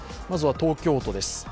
まずは東京都です。